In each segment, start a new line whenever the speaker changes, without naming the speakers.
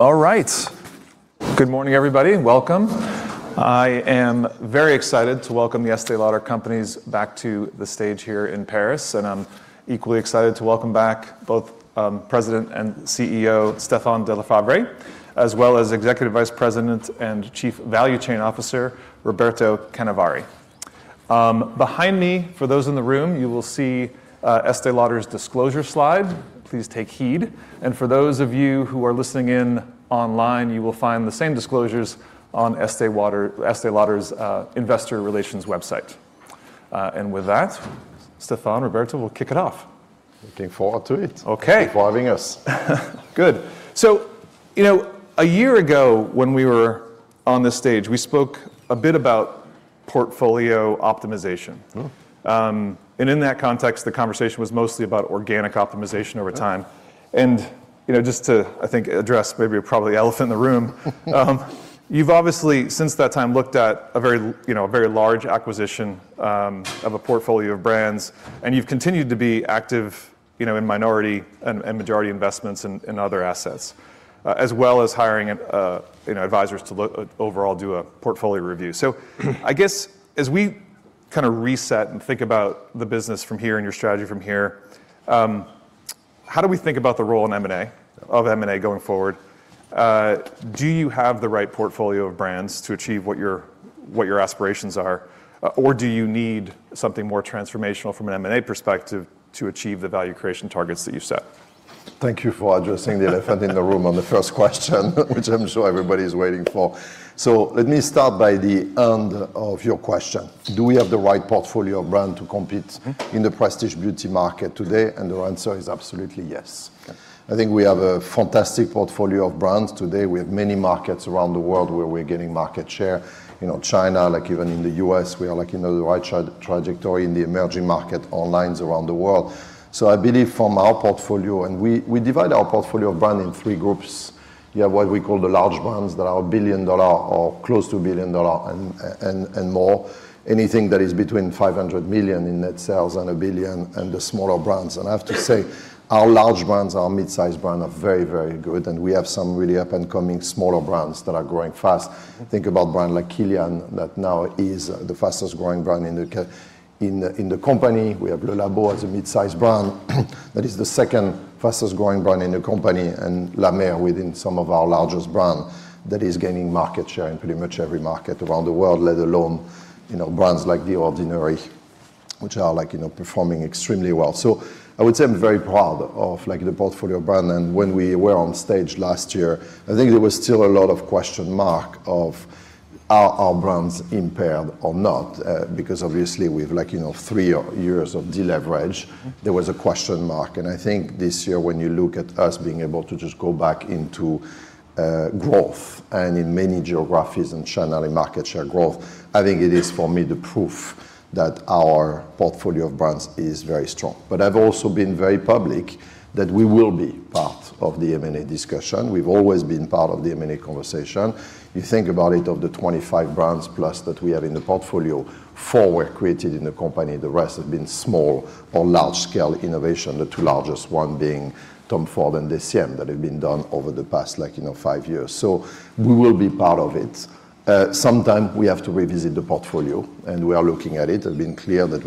All right. Good morning, everybody, and welcome. I am very excited to welcome The Estée Lauder Companies back to the stage here in Paris, and I'm equally excited to welcome back both President and CEO Stéphane de La Faverie, as well as Executive Vice President and Chief Value Chain Officer Roberto Canevari. Behind me, for those in the room, you will see Estée Lauder's disclosure slide. Please take heed, and for those of you who are listening in online, you will find the same disclosures on Estée Lauder's Investor Relations website. With that, Stéphane, Roberto, we'll kick it off.
Looking forward to it.
Okay.
Thank you for having us.
Good. A year ago, when we were on this stage, we spoke a bit about portfolio optimization. In that context, the conversation was mostly about organic optimization over time.
Yeah.
Just to address the elephant in the room. You've obviously, since that time, looked at a very large acquisition of a portfolio of brands, and you've continued to be active in minority and majority investments in other assets, as well as hiring advisors to overall do a portfolio review. As we reset and think about the business from here and your strategy from here, how do we think about the role of M&A going forward? Do you have the right portfolio of brands to achieve what your aspirations are, or do you need something more transformational from an M&A perspective to achieve the value creation targets that you've set?
Thank you for addressing the elephant in the room on the first question, which I'm sure everybody's waiting for. let me start by the end of your question. Do we have the right portfolio of brands to compete- in the prestige beauty market today? The answer is absolutely yes.
Okay.
I think we have a fantastic portfolio of brands today. We have many markets around the world where we're gaining market share. China, even in the U.S., we are in the right trajectory, in the emerging market, all lines around the world. I believe from our portfolio, and we divide our portfolio brand in three groups. You have what we call the large brands that are billion-dollar or close to billion-dollar and more. Anything that is between $500 million in net sales and $1 billion, and the smaller brands. I have to say, our large brands, our midsize brands are very, very good, and we have some really up-and-coming smaller brands that are growing fast. Think about a brand like Kilian that now is the fastest-growing brand in the company. We have Le Labo as a midsize brand that is the second fastest-growing brand in the company, and La Mer within some of our largest brands that is gaining market share in pretty much every market around the world, let alone brands like The Ordinary, which are performing extremely well. I would say I'm very proud of the portfolio brand. When we were on stage last year, I think there was still a lot of question mark of are our brands impaired or not? Because obviously, with three years of deleverage, there was a question mark. I think this year, when you look at us being able to just go back into growth and in many geographies and channel and market share growth, I think it is, for me, the proof that our portfolio of brands is very strong. I've also been very public that we will be part of the M&A discussion. We've always been part of the M&A conversation. You think about it, of the 25 brands plus that we have in the portfolio, four were created in the company, the rest have been small or large-scale innovation, the two largest one being Tom Ford and DECIEM that have been done over the past five years. We will be part of it. Sometime, we have to revisit the portfolio, and we are looking at it. I've been clear that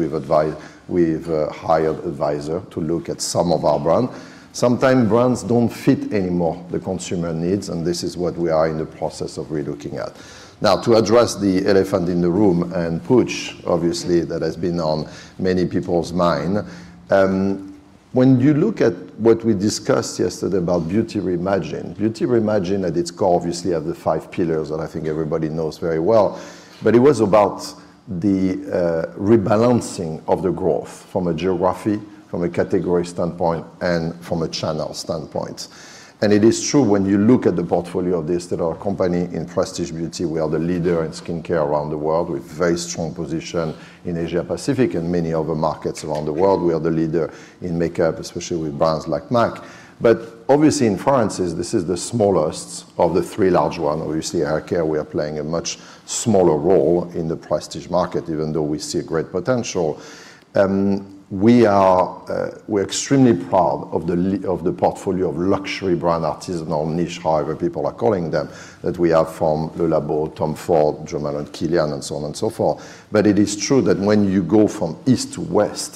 we've hired advisor to look at some of our brands. Sometimes brands don't fit anymore, the consumer needs, and this is what we are in the process of re-looking at. Now, to address the elephant in the room, Puig, obviously, that has been on many people's mind. When you look at what we discussed yesterday about Beauty Reimagined, Beauty Reimagined at its core, obviously, have the five pillars that I think everybody knows very well, but it was about the rebalancing of the growth from a geography, from a category standpoint, and from a channel standpoint. It is true when you look at the portfolio of this, that our company in prestige beauty, we are the leader in skincare around the world with very strong position in Asia Pacific and many other markets around the world. We are the leader in makeup, especially with brands like M·A·C. Obviously in fragrances, this is the smallest of the three large one. Obviously, hair care, we are playing a much smaller role in the prestige market, even though we see a great potential. We're extremely proud of the portfolio of luxury brand, artisanal, niche, however people are calling them, that we have from Le Labo, Tom Ford, Jo Malone, Kilian, and so on and so forth. It is true that when you go from East to West,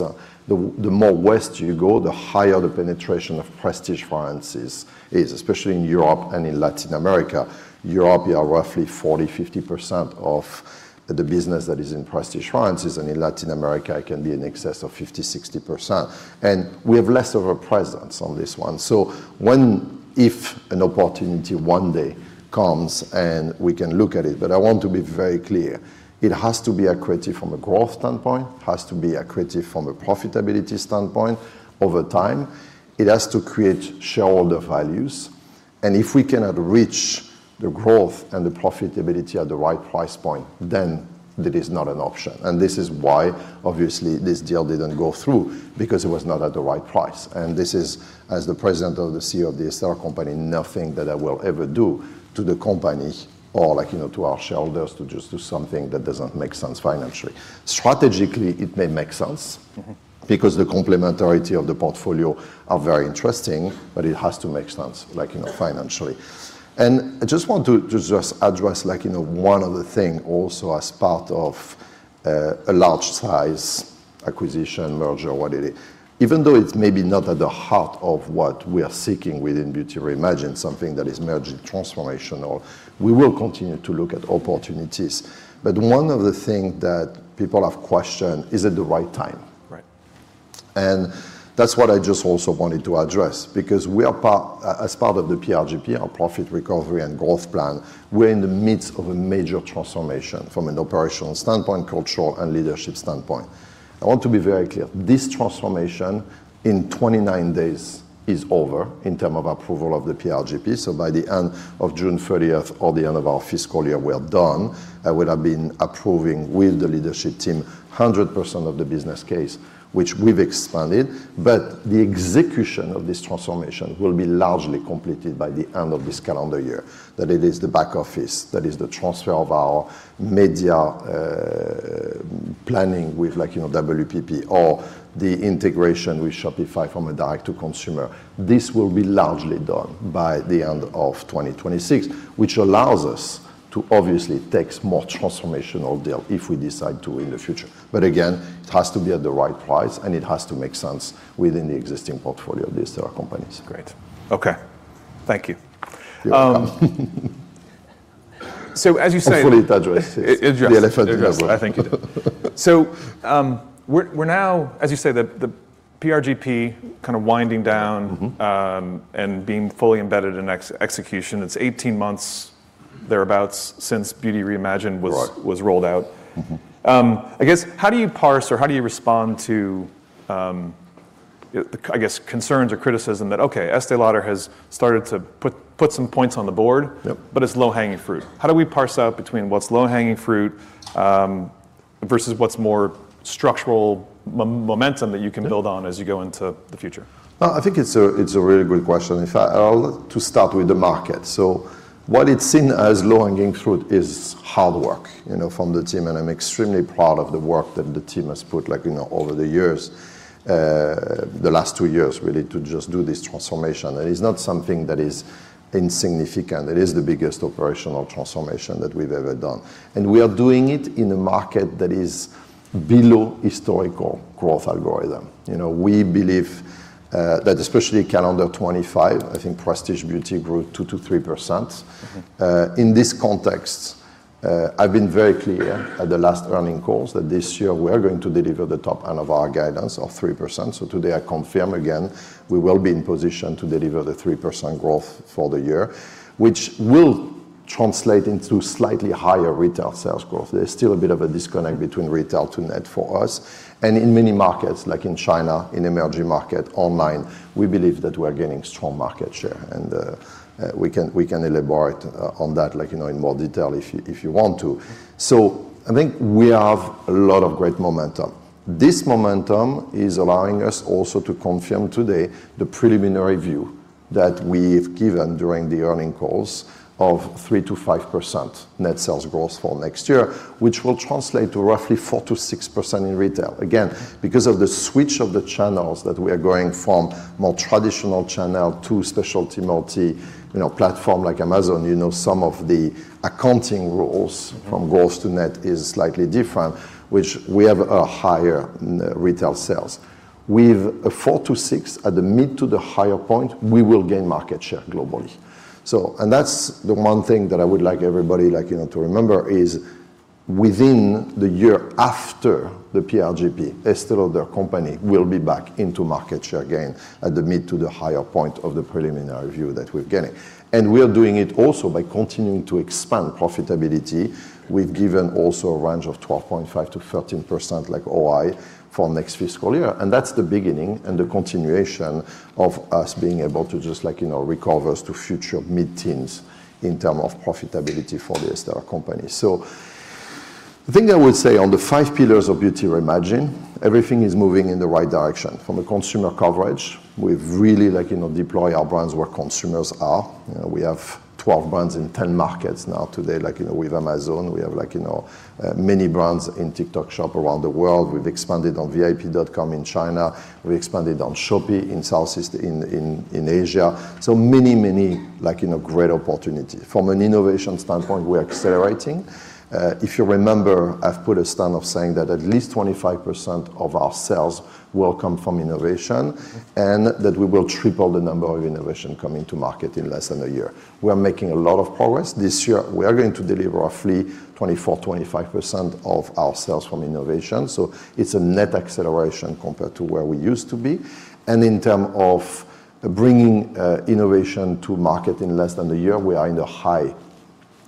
the more west you go, the higher the penetration of prestige fragrances is, especially in Europe and in Latin America. Europe, we are roughly 40%-50% of the business that is in prestige fragrances, and in Latin America, it can be in excess of 50%-60%, and we have less of a presence on this one. When, if an opportunity one day comes, and we can look at it, I want to be very clear, it has to be accretive from a growth standpoint, has to be accretive from a profitability standpoint over time. It has to create shareholder values, if we cannot reach the growth and the profitability at the right price point, that is not an option. This is why, obviously, this deal didn't go through, because it was not at the right price. This is, as the President or the CEO of The Estée Lauder Companies, nothing that I will ever do to the company or to our shareholders to just do something that doesn't make sense financially. Strategically, it may make sense. The complementarity of the portfolio are very interesting, but it has to make sense financially. I just want to just address one other thing also as part of a large size-acquisition, merger, what is it? Even though it's maybe not at the heart of what we are seeking within Beauty Reimagined, something that is merger transformational, we will continue to look at opportunities. One other thing that people have questioned, is it the right time?
Right.
That's what I just also wanted to address because as part of the PRGP, our Profit Recovery and Growth Plan, we're in the midst of a major transformation from an operational standpoint, cultural, and leadership standpoint. I want to be very clear. This transformation in 29 days is over in term of approval of the PRGP, so by the end of June 30th or the end of our fiscal year, we are done. I would have been approving with the leadership team 100% of the business case, which we've expanded, but the execution of this transformation will be largely completed by the end of this calendar year. That it is the back office, that is the transfer of our media planning with WPP or the integration with Shopify from a direct-to-consumer. This will be largely done by the end of 2026, which allows us to obviously take more transformational deal if we decide to in the future. Again, it has to be at the right price, and it has to make sense within the existing portfolio of The Estée Lauder Companies.
Great. Okay. Thank you.
You're welcome.
So, as you say-
Hopefully it addresses-
It addresses.
the elephant in the room.
I think it did. We're now, as you say, the PRGP kind of winding down. Being fully embedded in execution. It's 18 months, thereabouts, since Beauty Reimagined was.
Right
was rolled out. I guess, how do you parse or how do you respond to, I guess, concerns or criticism that, okay, Estée Lauder has started to put some points on the board?
Yep
It's low-hanging fruit. How do we parse out between what's low-hanging fruit versus what's more structural momentum that you can build on as you go into the future?
Well, I think it's a really good question. In fact, I'll start with the market. What it's seen as low-hanging fruit is hard work, from the team, and I'm extremely proud of the work that the team has put over the years, the last two years, really, to just do this transformation. That is not something that is insignificant. It is the biggest operational transformation that we've ever done. We are doing it in a market that is below historical growth algorithm. We believe that especially calendar 2025, I think prestige beauty grew 2%-3%. In this context, I've been very clear at the last earning calls that this year we are going to deliver the top end of our guidance of 3%. Today, I confirm again, we will be in position to deliver the 3% growth for the year, which will translate into slightly higher retail sales growth. There's still a bit of a disconnect between retail to net for us. In many markets, like in China, in emerging market, online, we believe that we are gaining strong market share, and we can elaborate on that in more detail if you want to. I think we have a lot of great momentum. This momentum is allowing us also to confirm today the preliminary view that we've given during the earning calls of 3%-5% net sales growth for next year, which will translate to roughly 4%-6% in retail. Because of the switch of the channels that we are going from, more traditional channel to specialty multi platform like Amazon, some of the accounting rules from gross to net is slightly different. We have a higher retail sales. With a 4%-6% at the mid- to the higher-point, we will gain market share globally. That's the one thing that I would like everybody to remember is within the year after the PRGP, Estée Lauder Companies will be back into market share again at the mid-to the higher-point of the preliminary view that we're getting. We are doing it also by continuing to expand profitability. We've given also a range of 12.5%-13%, like OI, for next fiscal year. That's the beginning and the continuation of us being able to just recover us to future mid-teens in term of profitability for The Estée Lauder Companies. The thing I would say on the five pillars of Beauty Reimagined, everything is moving in the right direction. From a consumer coverage, we've really deployed our brands where consumers are. We have 12 brands in 10 markets now today. Like with Amazon, we have many brands in TikTok Shop around the world. We've expanded on VIP.com in China. We expanded on Shopee in Southeast Asia. Many, many great opportunity. From an innovation standpoint, we're accelerating. If you remember, I've put a stand of saying that at least 25% of our sales will come from innovation, and that we will triple the number of innovation coming to market in less than a year. We are making a lot of progress. This year, we are going to deliver roughly 24%-25% of our sales from innovation. It's a net acceleration compared to where we used to be. In terms of bringing innovation to market in less than a year, we are in the high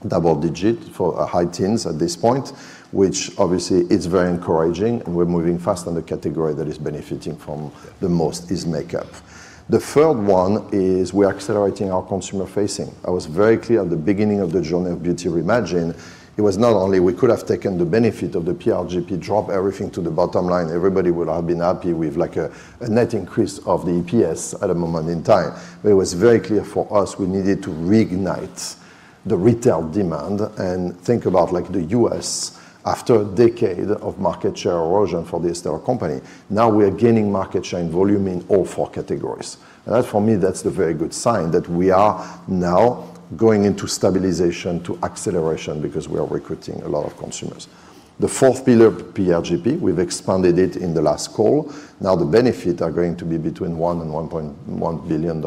double digits or high teens at this point, which obviously is very encouraging, and we're moving fast on the category that is benefiting from the most is makeup. The third one is we're accelerating our consumer facing. I was very clear at the beginning of the journey of Beauty Reimagined, it was not only we could have taken the benefit of the PRGP, drop everything to the bottom line, everybody would have been happy with a net increase of the EPS at a moment in time. It was very clear for us we needed to reignite the retail demand. Think about like the U.S., after a decade of market share erosion for The Estée Lauder Companies, now we are gaining market share and volume in all four categories. That, for me, that's the very good sign that we are now going into stabilization to acceleration because we are recruiting a lot of consumers. The fourth pillar of PRGP, we've expanded it in the last call. The benefit are going to be between $1 billion and $1.1 billion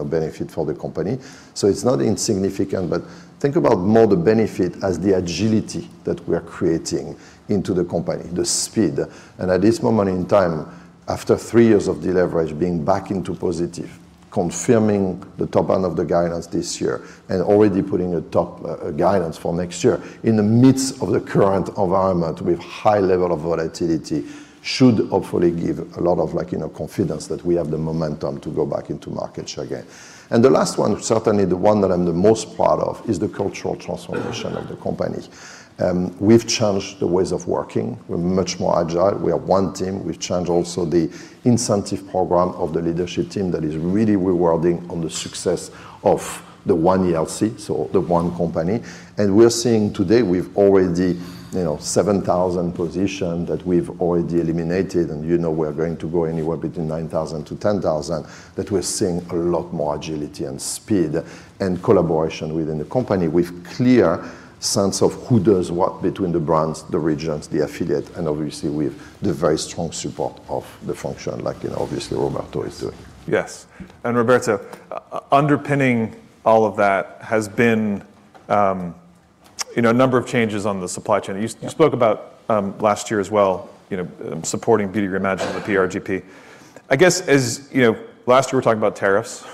of benefit for the company. It's not insignificant, but think about more the benefit as the agility that we are creating into the company, the speed. At this moment in time, after three years of deleverage, being back into positive, confirming the top-end of the guidance this year, and already putting a top guidance for next year, in the midst of the current environment with high level of volatility, should hopefully give a lot of confidence that we have the momentum to go back into market share again. The last one, certainly the one that I'm the most proud of, is the cultural transformation of the companies. We've changed the ways of working. We're much more agile. We are one team. We've changed also the incentive program of the leadership team that is really rewarding on the success of the One ELC, so the one company. We're seeing today, we've already 7,000 position that we've already eliminated, and you know we're going to go anywhere between 9,000-10,000, that we're seeing a lot more agility and speed and collaboration within the company with clear sense of who does what between the brands, the regions, the affiliate, and obviously with the very strong support of the function like obviously Roberto is doing.
Yes. Roberto, underpinning all of that has been a number of changes on the supply chain.
Yeah.
You spoke about last year as well, supporting Beauty Reimagined with PRGP. I guess, as you know, last year we were talking about tariffs.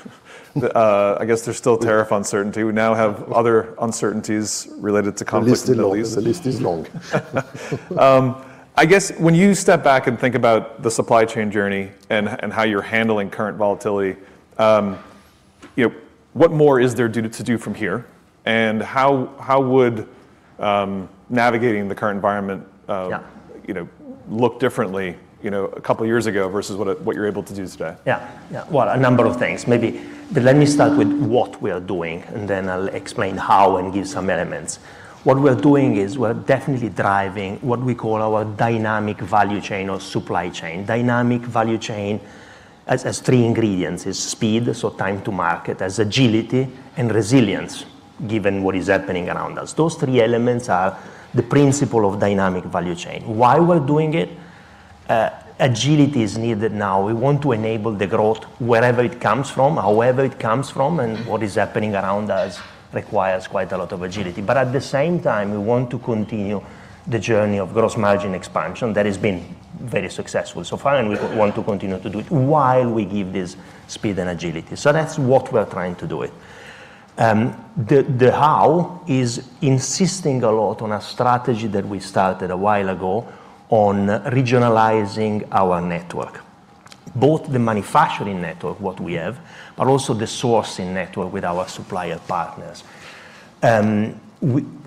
I guess there's still tariff uncertainty. We now have other uncertainties related to conflict in the Middle East.
The list is long.
I guess when you step back and think about the supply chain journey and how you're handling current volatility, what more is there to do from here? How would navigating the current environment-
Yeah
look differently a couple of years ago versus what you're able to do today?
Yeah. Well, a number of things. Maybe, let me start with what we are doing, then I'll explain how and give some elements. What we're doing is we're definitely driving what we call our dynamic value chain or supply chain. Dynamic value chain has three ingredients. Is speed, so time-to-market. There's agility and resilience, given what is happening around us. Those three elements are the principle of dynamic value chain. Why we're doing it, agility is needed now. We want to enable the growth wherever it comes from, however it comes from, and what is happening around us requires quite a lot of agility. At the same time, we want to continue the journey of gross margin expansion. That has been very successful so far, and we want to continue to do it while we give this speed and agility. That's what we're trying to do it. The how is insisting a lot on a strategy that we started a while ago on regionalizing our network, both the manufacturing network, what we have, but also the sourcing network with our supplier partners.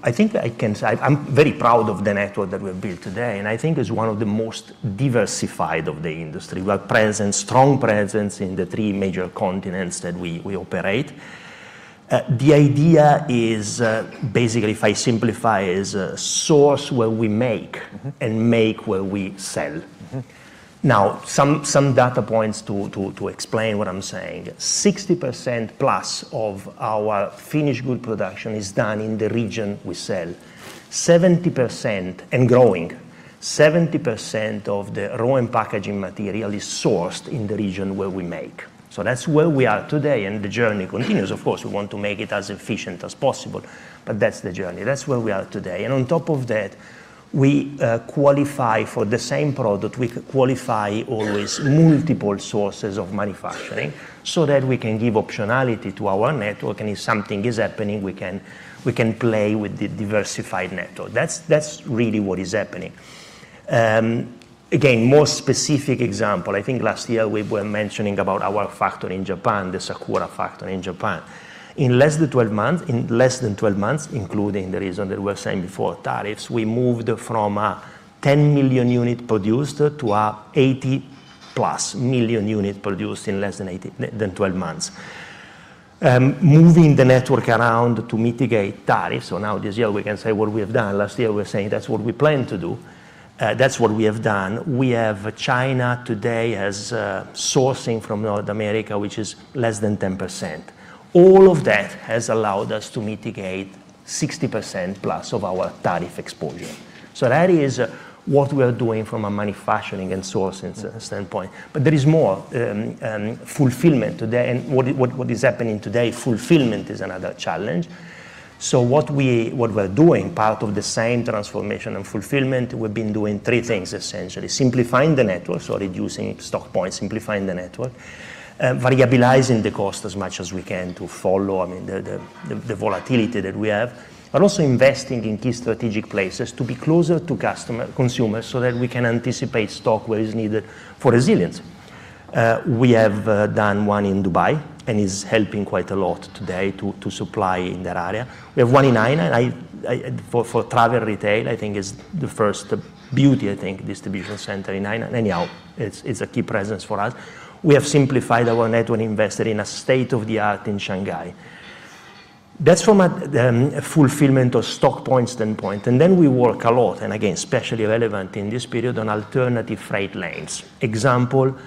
I think I can say I'm very proud of the network that we've built today, and I think it's one of the most diversified of the industry. We have presence, strong presence, in the three major continents that we operate. The idea is, basically if I simplify, is source where we make and make where we sell. Some data points to explain what I'm saying. 60%+ of our finished good production is done in the region we sell. 70% and growing. 70% of the raw and packaging material is sourced in the region where we make. That's where we are today, and the journey continues, of course. We want to make it as efficient as possible, but that's the journey. That's where we are today. On top of that, we qualify for the same product, we qualify always multiple sources of manufacturing so that we can give optionality to our network, and if something is happening, we can play with the diversified network. That's really what is happening. Again, more specific example. I think last year we were mentioning about our factory in Japan, the Sakura factory in Japan. In less than 12 months, including the reason that we were saying before, tariffs, we moved from a 10 million unit produced to an 80+ million unit produced in less than 12 months. Moving the network around to mitigate tariffs. Now this year we can say what we have done. Last year, we're saying that's what we plan to do. That's what we have done. We have China today as sourcing from North America, which is less than 10%. All of that has allowed us to mitigate 60%+ of our tariff exposure. That is what we are doing from a manufacturing and sourcing standpoint. There is more. Fulfillment today, and what is happening today, fulfillment is another challenge. What we're doing, part of the same transformation and fulfillment, we've been doing three things, essentially. Simplifying the network, so reducing stock points, simplifying the network. Variabilizing the cost as much as we can to follow the volatility that we have. Also investing in key strategic places to be closer to consumers so that we can anticipate stock where is needed for resilience. We have done one in Dubai and is helping quite a lot today to supply in that area. We have one in Hainan. For travel retail, I think is the first beauty, I think, distribution center in Hainan. Anyhow, it's a key presence for us. We have simplified our network and invested in a state-of-the-art in Shanghai. That's from a fulfillment or stock standpoint, and then we work a lot, and again, especially relevant in this period, on alternative freight lanes. Example,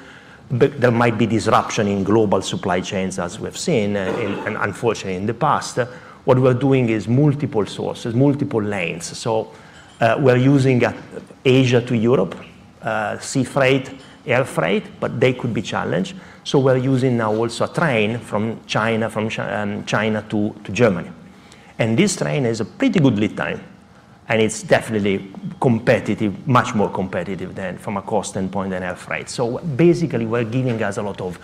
there might be disruption in global supply chains as we have seen unfortunately in the past. What we're doing is multiple sources, multiple lanes. We're using Asia to Europe, sea freight, air freight, but they could be challenged. We're using now also train from China to Germany. This train has a pretty good lead time, and it's definitely much more competitive from a cost standpoint than air freight. Basically, we're giving us a lot of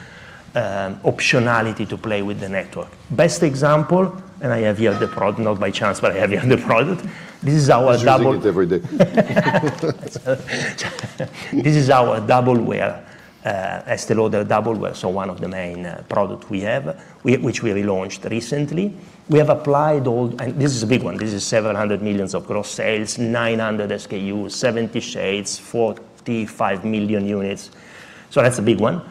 optionality to play with the network. Best example, I have here the product, not by chance, but I have here the product. This is our double-
He's using it every day.
This is our Double Wear, Estée Lauder Double Wear, one of the main product we have, which we relaunched recently. We have applied. This is a big one. This is $700 million of gross sales, 900 SKU, 70 shades, 45 million units. That's a big one.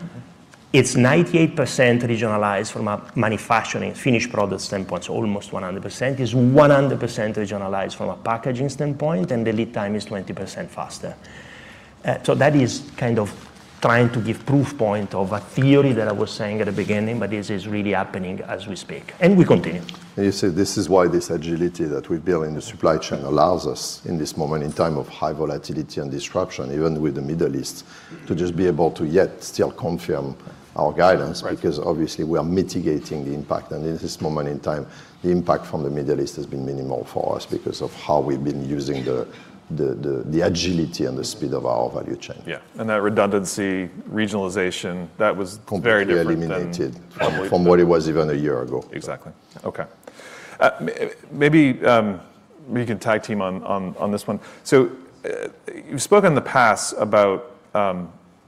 It's 98% regionalized from a manufacturing finished product standpoint, so almost 100%. It's 100% regionalized from a packaging standpoint, and the lead time is 20% faster. That is kind of trying to give proof point of a theory that I was saying at the beginning, but this is really happening as we speak, and we continue.
You see, this is why this agility that we build in the supply chain allows us, in this moment in time of high volatility and disruption, even with the Middle East, to just be able to yet still confirm our guidance.
Right
Obviously, we are mitigating the impact. In this moment in time, the impact from the Middle East has been minimal for us because of how we've been using the agility and the speed of our value chain.
Yeah. That redundancy, regionalization, that was very different than.
Completely eliminated from what it was even a year ago.
Exactly. Okay. Maybe we can tag team on this one. You've spoken in the past about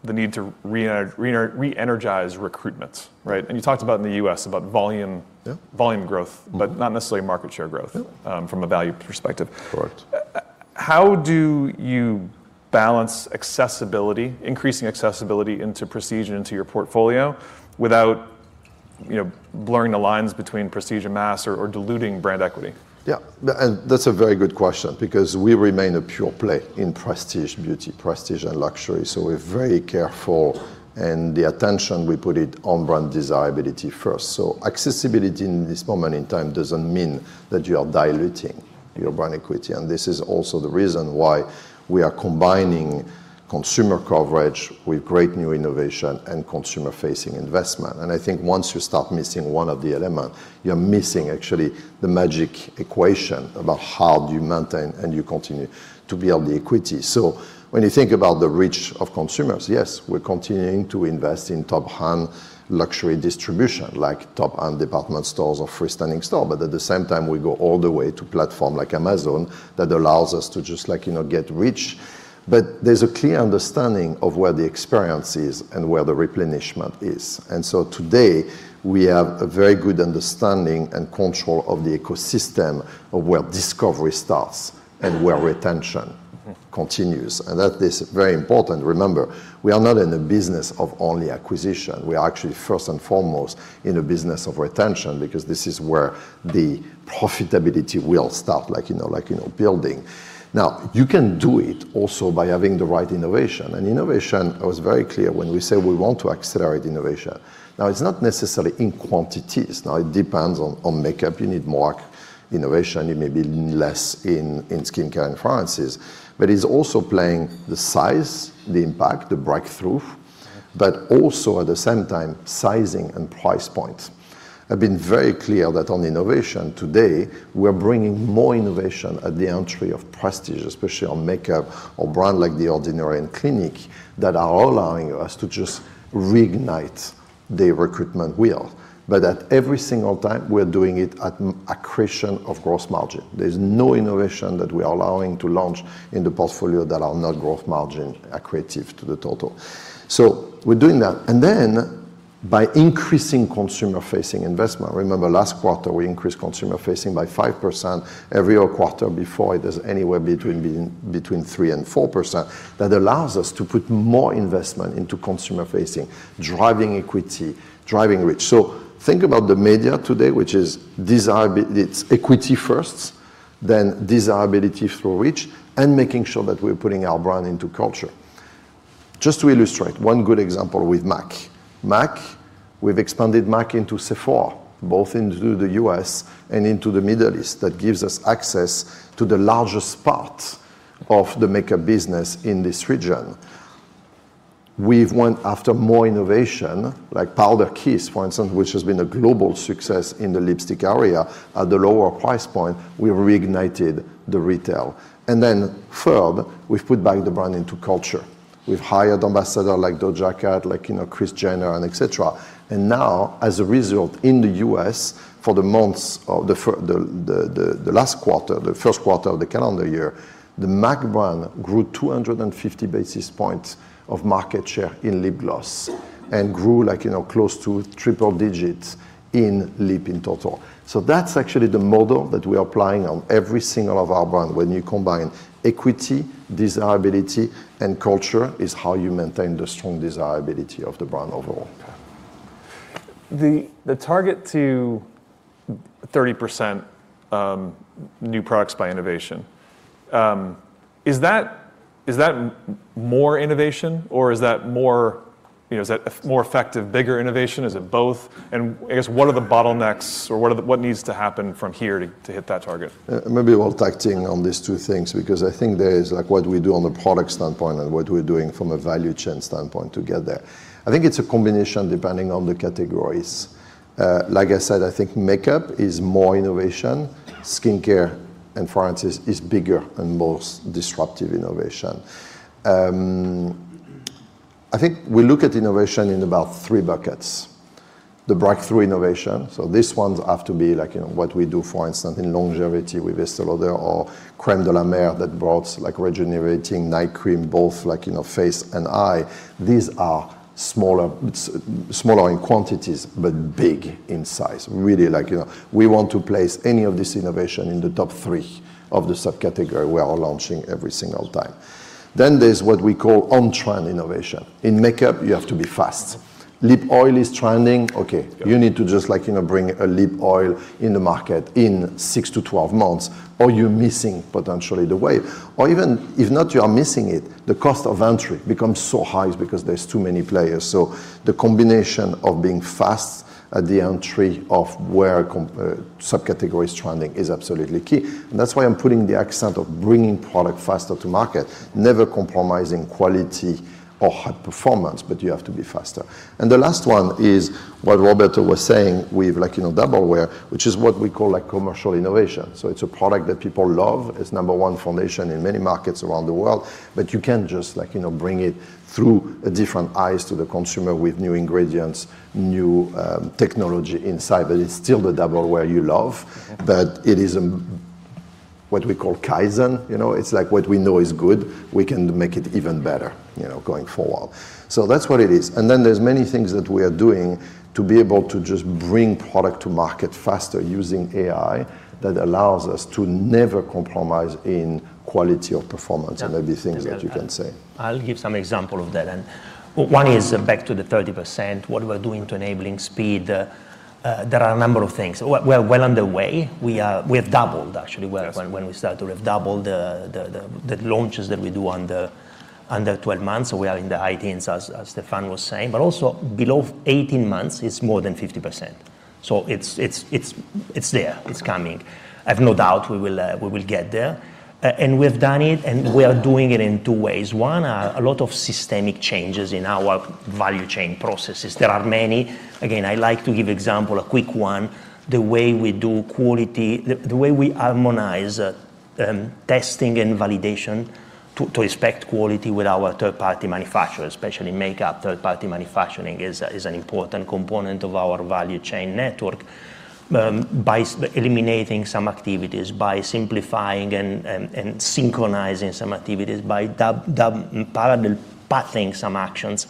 the need to re-energize recruitment, right? You talked about in the U.S.
Yeah
volume growth, but not necessarily market share growth.
Yeah
from a value perspective.
Correct.
How do you balance increasing accessibility into prestige into your portfolio without blurring the lines between prestige and mass or diluting brand equity?
Yeah. That's a very good question because we remain a pure play in prestige beauty, prestige and luxury. We're very careful, and the attention we put it on brand desirability first. Accessibility in this moment in time doesn't mean that you are diluting your brand equity. This is also the reason why we are combining consumer coverage with great new innovation and consumer-facing investment. I think once you start missing one of the elements, you're missing actually the magic equation about how do you maintain and you continue to build the equity. When you think about the reach of consumers, yes, we're continuing to invest in top-end luxury distribution, like top-end department stores or freestanding store. At the same time, we go all the way to platform like Amazon that allows us to just get reach. There's a clear understanding of where the experience is and where the replenishment is. Today, we have a very good understanding and control of the ecosystem of where discovery starts and where retention continues. That is very important. Remember, we are not in the business of only acquisition. We are actually first and foremost in a business of retention because this is where the profitability will start building. You can do it also by having the right innovation. Innovation, I was very clear when we say we want to accelerate innovation. It's not necessarily in quantities. It depends on makeup. You need more innovation. You may need less in skincare and fragrances. It's also playing the size, the impact, the breakthrough, but also at the same time, sizing and price point. I've been very clear that on innovation today, we're bringing more innovation at the entry of prestige, especially on makeup or brand like The Ordinary and Clinique, that are allowing us to just reignite the recruitment wheel. At every single time, we're doing it at accretion of gross margin. There's no innovation that we are allowing to launch in the portfolio that are not gross margin accretive to the total. We're doing that. By increasing consumer-facing investment, remember last quarter, we increased consumer-facing by 5%, every quarter before it is anywhere between 3% and 4%, that allows us to put more investment into consumer-facing, driving equity, driving reach. Think about the media today, which it's equity first, then desirability through reach, and making sure that we're putting our brand into culture. Just to illustrate, one good example with M·A·C. We've expanded M·A·C into Sephora, both into the U.S. and into the Middle East. That gives us access to the largest part of the makeup business in this region. We've went after more innovation, like Powder Kiss, for instance, which has been a global success in the lipstick area. At the lower price point, we've reignited the retail. Third, we've put back the brand into culture. We've hired ambassador like Doja Cat, like Kris Jenner, and et cetera. As a result, in the U.S., for the last quarter, the first quarter of the calendar year, the M·A·C brand grew 250 basis points of market share in lip gloss, and grew close to triple digits in lip in total. That's actually the model that we are applying on every single of our brand. When you combine equity, desirability, and culture is how you maintain the strong desirability of the brand overall.
The target to 30% new products by innovation, is that more innovation or is that more effective, bigger innovation? Is it both? I guess, what are the bottlenecks or what needs to happen from here to hit that target?
Maybe while tag-teaming on these two things, because I think there is what we do on the product standpoint and what we're doing from a value chain standpoint together. I think it's a combination, depending on the categories. Like I said, I think makeup is more innovation. Skincare and fragrance is bigger and most disruptive innovation. I think we look at innovation in about three buckets. The breakthrough innovation, so these ones have to be like what we do, for instance, in longevity with Estée Lauder or Crème de la Mer that brought regenerating night cream, both face and eye. These are smaller in quantities, but big in size, really. We want to place any of this innovation in the top three of the subcategory we are launching every single time. There's what we call on-trend innovation. In makeup, you have to be fast. Lip oil is trending, okay, you need to just bring a lip oil in the market in 6-12 months, or you're missing, potentially, the wave. Even if not, you are missing it, the cost of entry becomes so high because there's too many players. The combination of being fast at the entry of where subcategory is trending is absolutely key. That's why I'm putting the accent of bringing product faster to market, never compromising quality or high performance, but you have to be faster. The last one is what Roberto was saying with Double Wear, which is what we call commercial innovation. It's a product that people love. It's number one foundation in many markets around the world. You can just bring it through different eyes to the consumer with new ingredients, new technology inside, but it's still the Double Wear you love, but it is what we call kaizen. It's like what we know is good, we can make it even better going forward. That's what it is. There's many things that we are doing to be able to just bring product to market faster using AI that allows us to never compromise in quality or performance and other things that you can say.
I'll give some example of that, and one is back to the 30%, what we are doing to enabling speed. There are a number of things. We're well underway. We have doubled, actually, the launches that we do under 12 months. We are in the high teens, as Stéphane was saying. Also below 18 months, it's more than 50%. It's there. It's coming. I've no doubt we will get there. We've done it, and we are doing it in two ways. One, a lot of systemic changes in our value chain processes. There are many. Again, I like to give example, a quick one. The way we do quality, the way we harmonize testing and validation to respect quality with our third-party manufacturers, especially makeup third-party manufacturing is an important component of our value chain network. By eliminating some activities, by simplifying and synchronizing some activities, by parallel pathing some actions,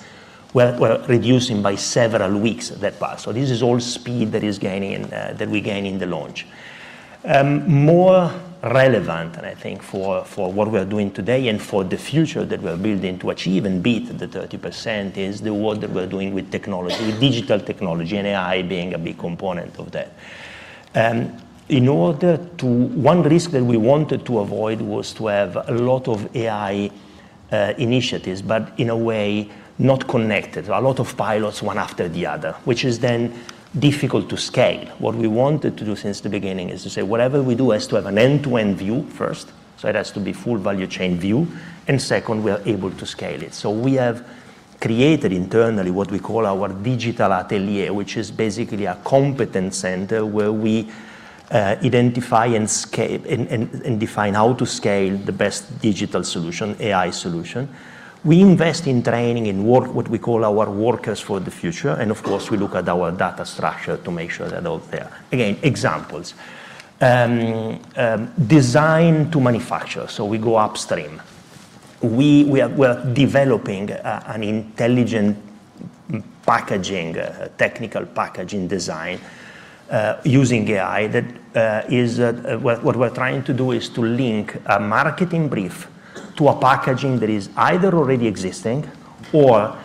we're reducing by several weeks that path. This is all speed that we gain in the launch. More relevant, I think, for what we're doing today and for the future that we're building to achieve and beat the 30% is the work that we're doing with technology, with digital technology, and AI being a big component of that. One risk that we wanted to avoid was to have a lot of AI initiatives, but in a way, not connected. A lot of pilots, one after the other, which is then difficult to scale. What we wanted to do since the beginning is to say whatever we do has to have an end-to-end view first, so it has to be full value chain view, and second, we are able to scale it. We have created internally what we call our digital atelier, which is basically a competence center where we identify and define how to scale the best digital solution, AI solution. We invest in training in what we call our workers for the future, and of course, we look at our data structure to make sure they're all there. Again, examples. Design to manufacture. We go upstream. We're developing an intelligent technical packaging design using AI. What we're trying to do is to link a marketing brief to a packaging that is either already existing or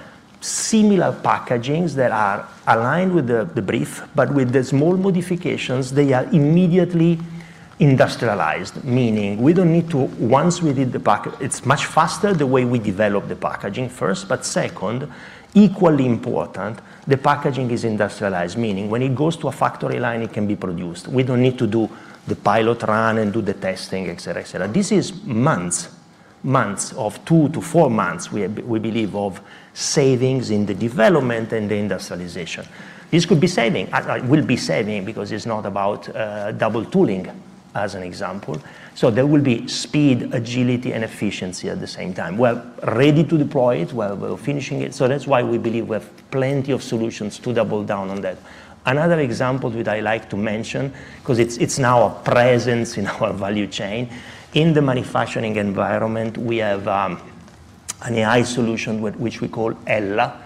similar packagings that are aligned with the brief, but with the small modifications, they are immediately industrialized, meaning it's much faster the way we develop the packaging first, but second, equally important, the packaging is industrialized, meaning when it goes to a factory line, it can be produced. We don't need to do the pilot run and do the testing, et cetera. This is months, two to four months, we believe, of savings in the development and the industrialization. This will be saving because it's not about double tooling, as an example. There will be speed, agility, and efficiency at the same time. We're ready to deploy it. We're finishing it. That's why we believe we have plenty of solutions to double down on that. Another example that I like to mention, because it's now a presence in our value chain, in the manufacturing environment, we have an AI solution which we call Ella,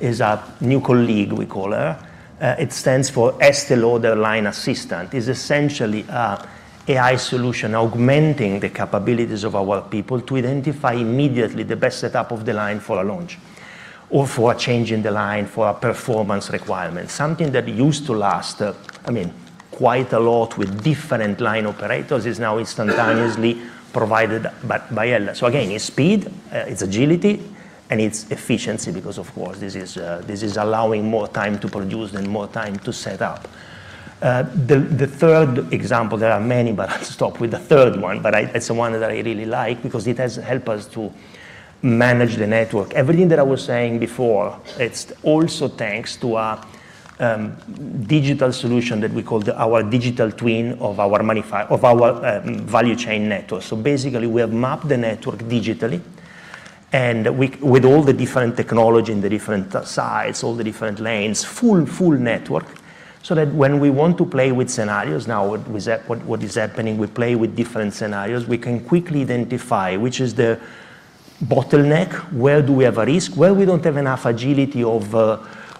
is a new colleague, we call her. It stands for Estée Lauder Line Assistant. It's essentially a AI solution augmenting the capabilities of our people to identify immediately the best setup of the line for a launch. Or for a change in the line for a performance requirement. Something that used to last quite a lot with different line operators is now instantaneously provided by Ella. Again, it's speed, it's agility, and it's efficiency, because, of course, this is allowing more time to produce and more time to set up. The third example, there are many, but I'll stop with the third one. It's the one that I really like because it has helped us to manage the network. Everything that I was saying before, it's also thanks to a digital solution that we call our digital twin of our value chain network. Basically, we have mapped the network digitally and with all the different technology and the different sizes, all the different lanes, full network, so that when we want to play with scenarios now with what is happening, we play with different scenarios. We can quickly identify which is the bottleneck, where do we have a risk, where we don't have enough agility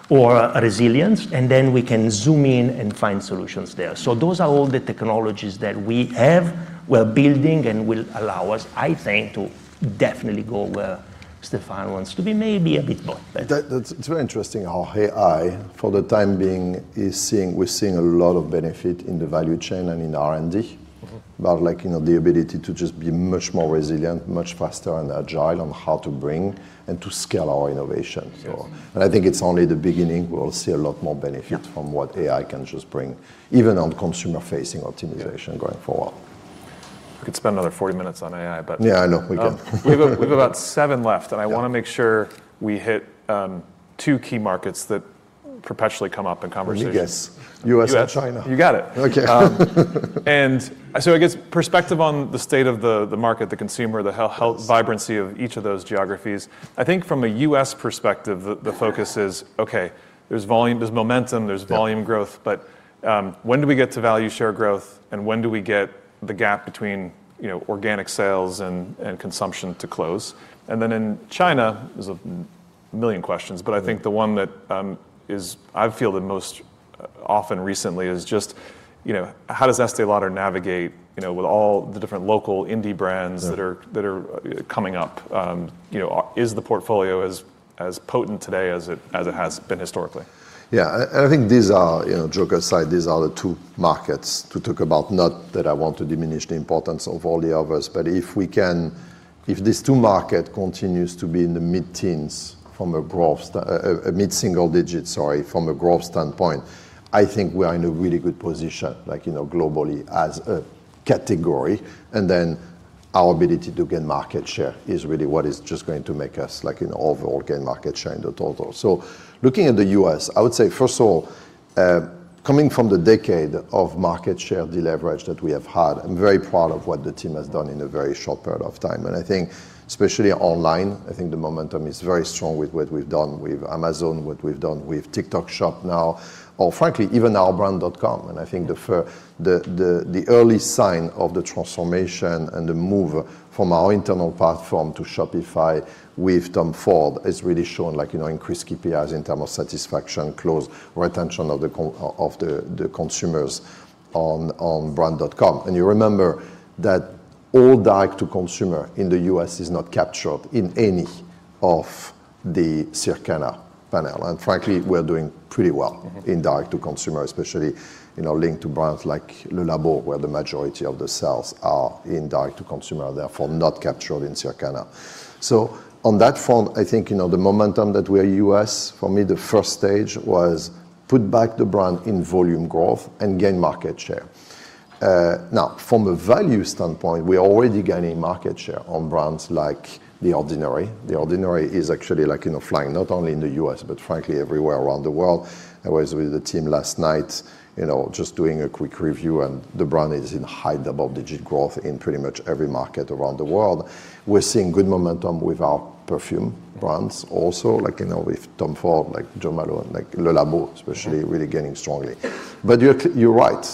or resilience, and then we can zoom in and find solutions there. Those are all the technologies that we have, we're building, and will allow us, I think, to definitely go where Stéphane wants to be, maybe a bit more.
That's very interesting how AI, for the time being, we're seeing a lot of benefit in the value chain and in R&D. About the ability to just be much more resilient, much faster, and agile on how to bring and to scale our innovations.
Yes.
I think it's only the beginning. We'll see a lot more.
Yeah
from what AI can just bring, even on consumer-facing optimization going forward.
We could spend another 40 minutes on AI.
Yeah, I know we can.
We've about seven left, and I want to make sure we hit two key markets that perpetually come up in conversations.
Let me guess.
Yes.
U.S. and China.
You got it.
Okay.
I guess, perspective on the state of the market, the consumer, the health, vibrancy of each of those geographies. I think from a U.S. perspective, the focus is, okay, there's volume, there's momentum, there's volume growth. When do we get to value share growth, and when do we get the gap between organic sales and consumption to close? In China, there's a million questions, but I think the one that I feel the most often recently is just, how does Estée Lauder navigate with all the different local indie brands that are coming up? Is the portfolio as potent today as it has been historically?
Yeah. I think these are, Doja Cat aside, these are the two markets to talk about. Not that I want to diminish the importance of all the others, but if these two markets continue to be in the mid-single digits, sorry, from a growth standpoint, I think we are in a really good position globally as a category. Our ability to gain market share is really what is just going to make us overall gain market share in the total. Looking at the U.S., I would say, first of all, coming from the decade of market share deleverage that we have had, I'm very proud of what the team has done in a very short period of time. I think especially online, I think the momentum is very strong with what we've done with Amazon, what we've done with TikTok Shop now, or frankly, even our brand.com. I think the early sign of the transformation and the move from our internal platform to Shopify with Tom Ford has really shown increased KPIs in terms of satisfaction, close, retention of the consumers on brand.com. You remember that all direct-to-consumer in the U.S. is not captured in any of the Circana panel. Frankly, we're doing pretty well in direct-to-consumer especially, linked to brands like Le Labo, where the majority of the sales are in direct-to-consumer, therefore not captured in Circana. On that front, I think, the momentum that we are U.S., for me, the first stage was put back the brand in volume growth and gain market share. Now, from a value standpoint, we're already gaining market share on brands like The Ordinary. The Ordinary is actually flying not only in the U.S. but frankly everywhere around the world. I was with the team last night, just doing a quick review, and the brand is in high double-digit growth in pretty much every market around the world. We're seeing good momentum with our perfume brands also, with Tom Ford, Jo Malone, Le Labo, especially, really gaining strongly. You're right.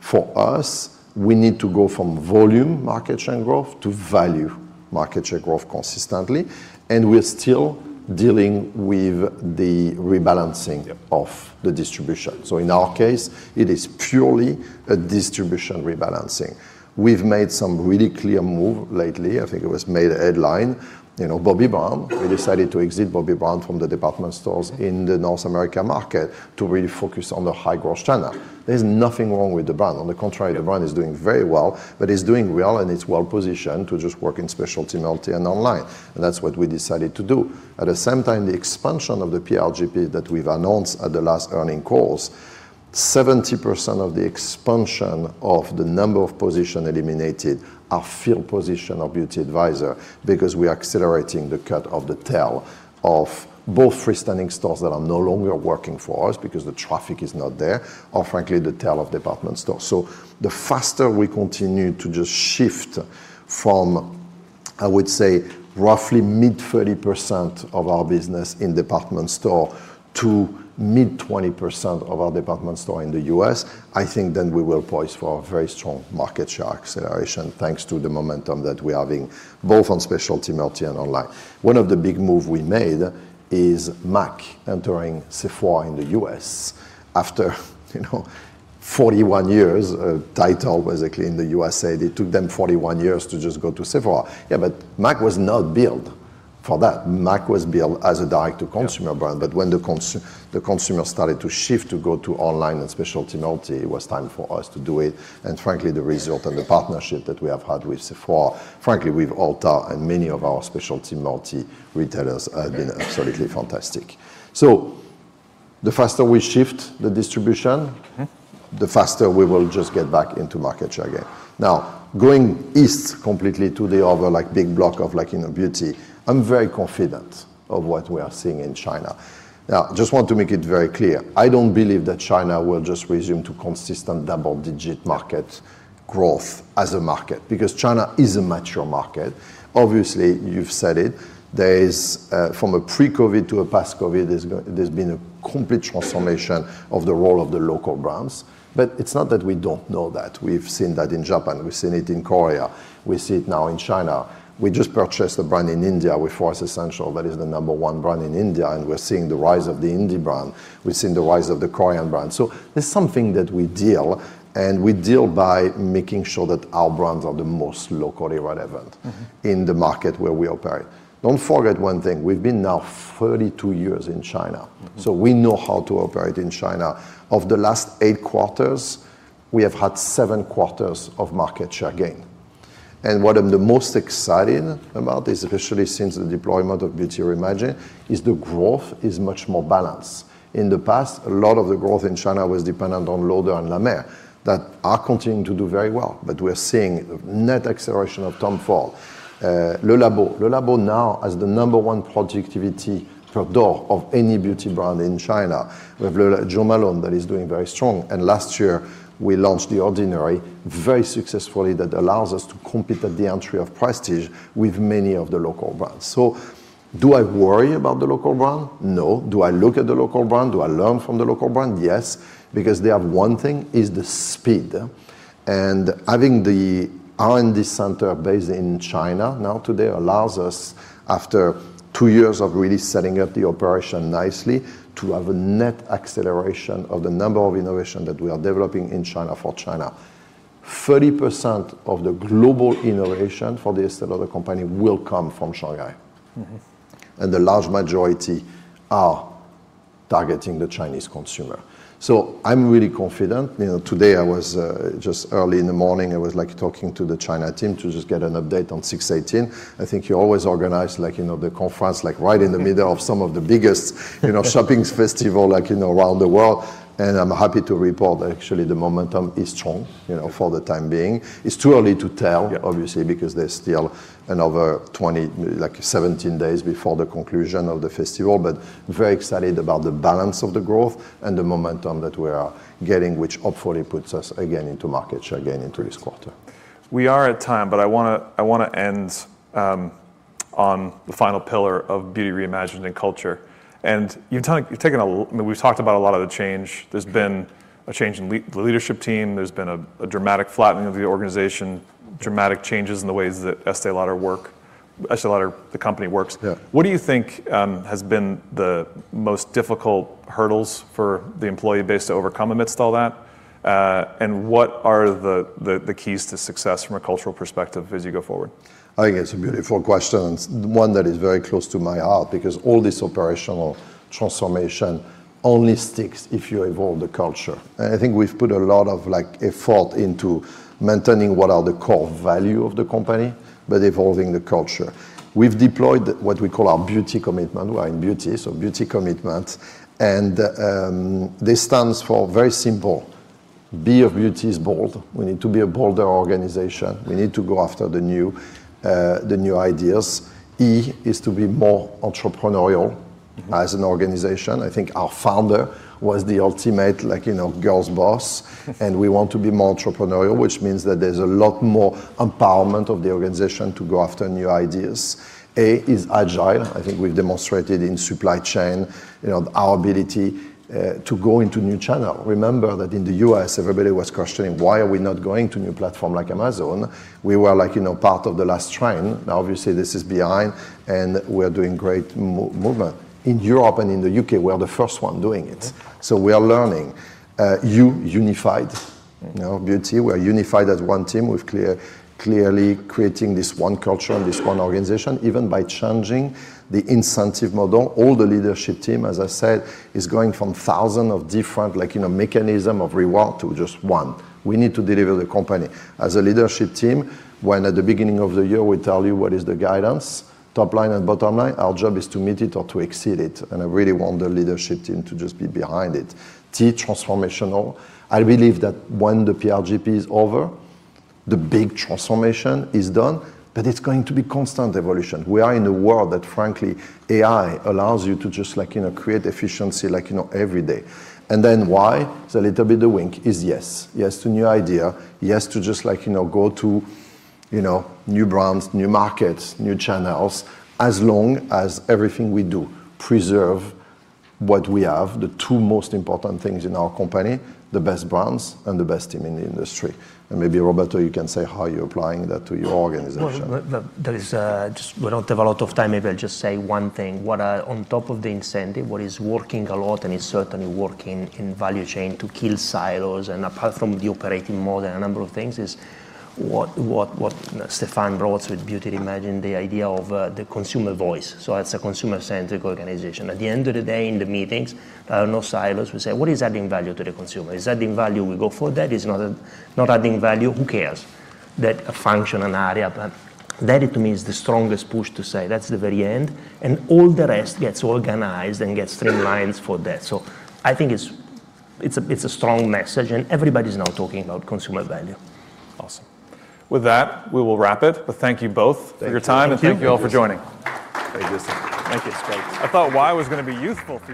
For us, we need to go from volume market share growth to value market share growth consistently. We're still dealing with the rebalancing of the distribution. In our case, it is purely a distribution rebalancing. We've made some really clear move lately. I think it was made a headline. Bobbi Brown, we decided to exit Bobbi Brown from the department stores in the North America market to really focus on the high-growth channel. There's nothing wrong with the brand. On the contrary, the brand is doing very well, but it's doing well, and it's well-positioned to just work in specialty, multi, and online. That's what we decided to do. At the same time, the expansion of the PRGP that we've announced at the last earnings calls, 70% of the expansion of the number of position eliminated are field position of beauty advisor because we are accelerating the cut of the tail of both freestanding stores that are no longer working for us because the traffic is not there or frankly, the tail of department store. The faster we continue to just shift from, I would say, roughly mid-30% of our business in department store to mid-20% of our department store in the U.S., I think then we will poise for a very strong market share acceleration, thanks to the momentum that we're having both on specialty, multi, and online. One of the big move we made is MAC entering Sephora in the U.S. after 41 years, a title basically in the USA, that it took them 41 years to just go to Sephora. Yeah, M·A·C was not built for that. M·A·C was built as a direct-to-consumer brand.
Yeah.
When the consumer started to shift to go to online and specialty multi, it was time for us to do it. Frankly, the result and the partnership that we have had with Sephora, frankly, with Ulta, and many of our specialty multi retailers has been absolutely fantastic. The faster we shift the distribution.
Okay
Going East completely to the other big block of beauty. I'm very confident of what we are seeing in China. I just want to make it very clear, I don't believe that China will just resume to consistent double-digit market growth as a market because China is a mature market. You've said it, from a pre-COVID to a post-COVID, there's been a complete transformation of the role of the local brands. It's not that we don't know that. We've seen that in Japan, we've seen it in Korea, we see it now in China. We just purchased a brand in India with Forest Essentials. That is the number one brand in India, and we're seeing the rise of the Indian brand. We've seen the rise of the Korean brand. That's something that we deal by making sure that our brands are the most locally relevant. in the market where we operate. Don't forget one thing, we've been now 32 years in China. We know how to operate in China. Of the last eight quarters, we have had seven quarters of market share gain. What I'm the most excited about is, especially since the deployment of Beauty Reimagined, is the growth is much more balanced. In the past, a lot of the growth in China was dependent on Lauder and La Mer that are continuing to do very well. We're seeing net acceleration of Tom Ford. Le Labo. Le Labo now has the number one productivity per door of any beauty brand in China. We have Jo Malone that is doing very strong. Last year we launched The Ordinary very successfully. That allows us to compete at the entry of prestige with many of the local brands. Do I worry about the local brand? No. Do I look at the local brand? Do I learn from the local brand? Yes, because they have one thing, is the speed. Having the R&D center based in China now today allows us, after two years of really setting up the operation nicely, to have a net acceleration of the number of innovation that we are developing in China for China. 30% of the global innovation for The Estée Lauder Companies will come from Shanghai. The large majority are targeting the Chinese consumer. I'm really confident. Today, just early in the morning, I was talking to the China team to just get an update on 618. I think you always organize the conference right in the middle of some of the biggest shopping festival around the world. I'm happy to report, actually, the momentum is strong for the time being. It's too early to tell.
Yeah
obviously, because there's still another 20, 17 days before the conclusion of the festival. Very excited about the balance of the growth and the momentum that we are getting, which hopefully puts us again into market share again into this quarter.
We are at time, but I want to end on the final pillar of Beauty Reimagined and culture. We've talked about a lot of the change. There's been a change in the leadership team. There's been a dramatic flattening of the organization, dramatic changes in the ways that Estée Lauder, the company, works.
Yeah.
What do you think has been the most difficult hurdles for the employee base to overcome amidst all that? What are the keys to success from a cultural perspective as you go forward?
I think it's a beautiful question. One that is very close to my heart because all this operational transformation only sticks if you evolve the culture. I think we've put a lot of effort into maintaining what are the core values of the company by evolving the culture. We've deployed what we call our Beauty Commitment. We are in beauty, so Beauty Commitment, and this stands for very simple. B of beauty is bold. We need to be a bolder organization. We need to go after the new ideas. E is to be more entrepreneurial as an organization. I think our founder was the ultimate girlboss, and we want to be more entrepreneurial, which means that there's a lot more empowerment of the organization to go after new ideas. A is agile. I think we've demonstrated in supply chain our ability to go into new channels. Remember that in the U.S. everybody was questioning, why are we not going to new platform like Amazon? We were part of the last train. Now, obviously this is behind, and we're doing great movement. In Europe and in the U.K., we are the first one doing it. We are learning. U, unified. Beauty, we are unified as one team. We're clearly creating this one culture and this one organization, even by changing the incentive model. All the leadership team, as I said, is going from thousand of different mechanisms of reward to just one. We need to deliver the company as a leadership team, when at the beginning of the year, we tell you what is the guidance, top line and bottom line, our job is to meet it or to exceed it. I really want the leadership team to just be behind it. T, transformational. I believe that when the PRGP is over, the big transformation is done. It's going to be constant evolution. We are in a world that, frankly, AI allows you to just create efficiency every day. Y, it's a little bit of wink, is yes. Yes to new idea, yes to just go to new brands, new markets, new channels, as long as everything we do preserve what we have. The two most important things in our company, the best brands and the best team in the industry. Maybe Roberto, you can say how you're applying that to your organization.
Well, we don't have a lot of time. Maybe I'll just say one thing. On top of the incentive, what is working a lot, and it's certainly working in value chain to kill silos, and apart from the operating model, a number of things is what Stéphane brought with Beauty Reimagined, the idea of the consumer voice. As a consumer-centric organization, at the end of the day, in the meetings, no silos. We say, what is adding value to the consumer? Is adding value, we go for that. It's not adding value, who cares? That, to me, is the strongest push to say that's the very end, and all the rest gets organized and gets three lines for that. I think it's a strong message, and everybody's now talking about consumer value.
Awesome. With that, we will wrap it. Thank you both for your time.
Thank you.
Thank you all for joining.
Thank you.
Thank you. Great.
I thought Y was going to be youthful for you.